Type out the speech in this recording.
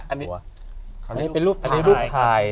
อันนี้เป็นรูปถ่าย